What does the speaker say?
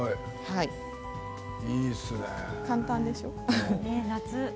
簡単でしょう？